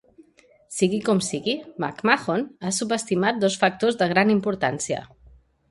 Sigui com sigui, McMahon ha subestimat dos factors de gran importància.